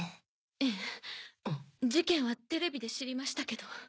ええ事件はテレビで知りましたけど。